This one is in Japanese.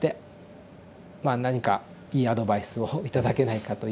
まあ何かいいアドバイスを頂けないかというですね